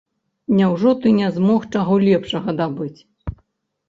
Няўжо ты не змог чаго лепшага дабыць?